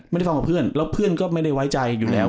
ไม่ได้ฟังกับเพื่อนแล้วเพื่อนก็ไม่ได้ไว้ใจอยู่แล้ว